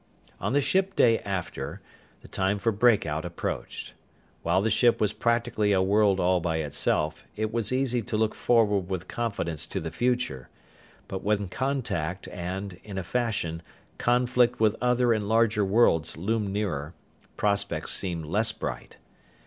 On the ship day after, the time for breakout approached. While the ship was practically a world all by itself, it was easy to look forward with confidence to the future. But when contact and, in a fashion, conflict with other and larger worlds loomed nearer, prospects seemed less bright.